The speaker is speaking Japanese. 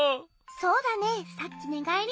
そうだねえ。